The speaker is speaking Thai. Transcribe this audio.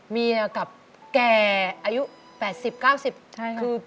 เมียกับแก่อายุ๘๐๙๐คือ